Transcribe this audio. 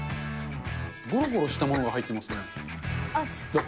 ごろごろしたものが入ってますね。